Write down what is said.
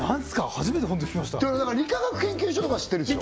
初めてホント聞きました理化学研究所とかは知ってるでしょ？